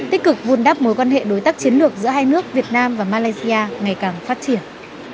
tích cực vun đắp mối quan hệ đối tác chiến lược giữa hai nước việt nam và malaysia ngày càng phát triển